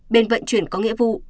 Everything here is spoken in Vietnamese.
bên vận chuyển có nghĩa vụ